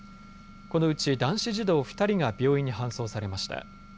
このうち男子児童２人が病院に搬送されました。